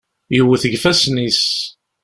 Yewwet deg yifassen-is.